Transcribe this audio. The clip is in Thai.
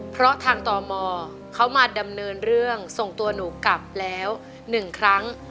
เพราะทางตมเขามาดำเนินเรื่องส่งตัวหนูกลับแล้ว๑ครั้ง